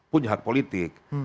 punya hak politik